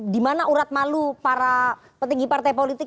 di mana urat malu para petinggi partai politik